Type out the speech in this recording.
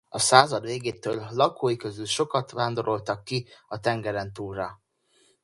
A század végétől lakói közül sokat vándoroltak ki a tengerentúlra.